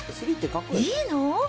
いいの？